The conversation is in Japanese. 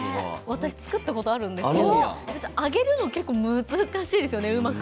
私、作ったことあるんですが揚げるの難しいですよね。